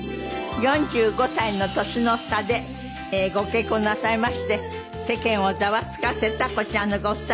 ４５歳の年の差でご結婚なさいまして世間をざわつかせたこちらのご夫妻。